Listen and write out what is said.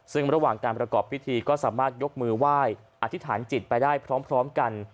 ซึ่งระหว่างการประกอบพิธีก็สามารถยกมือไหว้อธิษฐานจิตไปได้พร้อมกัน